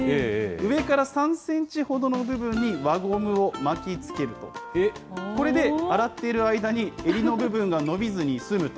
上から３センチほどの部分に輪ゴムを巻きつけると、これで洗っている間に襟の部分が伸びずに済むと。